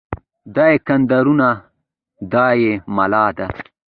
دا کدرونه دا يې مله دي